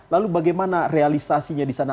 lalu bagaimana realisasinya di sana